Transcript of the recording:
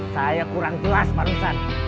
saya kurang jelas barusan